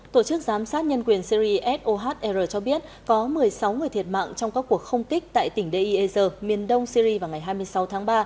tổ chức giám sát nhân quyền syri sohr cho biết có một mươi sáu người thiệt mạng trong các cuộc không kích tại tỉnh dei ezzer miền đông syri vào ngày hai mươi sáu tháng ba